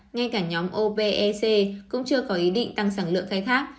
ngay cả nhóm opec cũng chưa có ý định tăng sẵn lượng thay thác